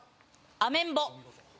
アメンボ。